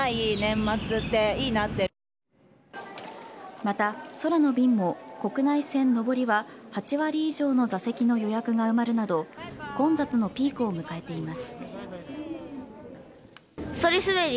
また、空の便も国内線上りは８割以上の座席の予約が埋まるなど混雑のピークを迎えています。